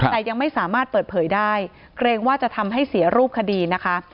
แต่ยังไม่สามารถเปิดเผยได้เกรงว่าจะทำให้เสียรูปคดีนะคะ